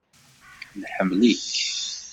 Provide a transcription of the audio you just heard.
Nḥemmel-ik.